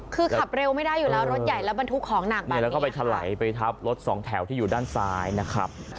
คือขับเร็วไม่ได้อยู่แล้วรถใหญ่แล้วบรรทุกของหนักมาแล้วก็ไปถลายไปทับรถสองแถวที่อยู่ด้านซ้ายนะครับ